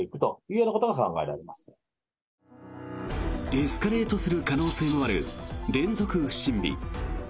エスカレートする可能性のある連続不審火。